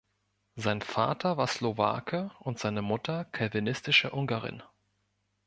Sein Vater war Slowake und seine Mutter calvinistische Ungarin.